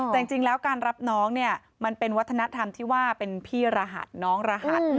แต่จริงแล้วการรับน้องเนี่ยมันเป็นวัฒนธรรมที่ว่าเป็นพี่รหัสน้องรหัส